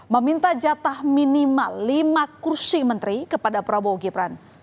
meminta jatah minimal lima kursi menteri kepada prabowo gibran